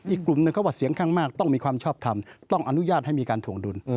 อีกกลุ่มหนึ่งเขาว่าเสียงข้างมากต้องมีความชอบทำต้องอนุญาตให้มีการถวงดุล